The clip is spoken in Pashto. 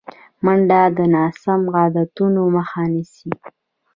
منډه د ناسم عادتونو مخه نیسي